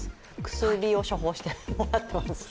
薬を処方してもらっています。